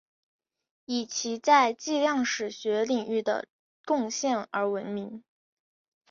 以其在计量史学领域的贡献而闻名。